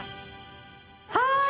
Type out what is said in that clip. はい。